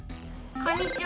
こんにちは！